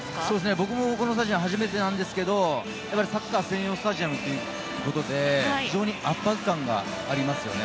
僕も、このスタジアム初めてなんですがサッカー専用スタジアムということで非常に圧迫感がありますよね。